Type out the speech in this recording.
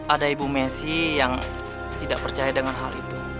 ada ibu messi yang tidak percaya dengan hal itu